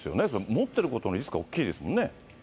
持ってることのリスクは大きいですもんね。